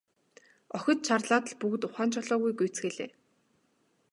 Охид чарлаад л бүгд ухаан жолоогүй гүйцгээлээ.